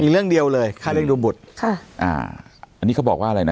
เรื่องเดียวเลยค่าเรียกดูบุตรค่ะอ่าอันนี้เขาบอกว่าอะไรนะ